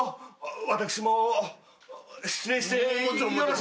私も失礼してよろしいですか？